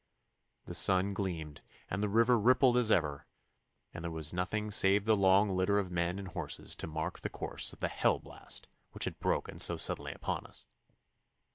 The sun gleamed and the river rippled as ever, and there was nothing save the long litter of men and horses to mark the course of the hell blast which had broken so suddenly upon us.